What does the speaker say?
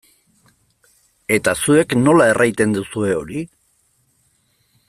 Eta zuek nola erraiten duzue hori?